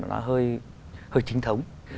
nó hơi hơi chính thống